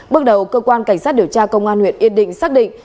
bước đầu cơ quan cảnh sát điều tra công an huyện yên định xác định